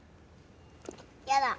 やだ。